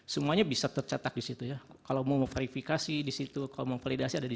semuanya bisa tercatat di situ ya kalau mau verifikasi di situ kalau mau validasi ada di